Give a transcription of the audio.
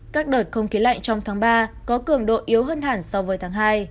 các đợt không khí lạnh trong tháng ba có cường độ yếu hơn hẳn so với tháng hai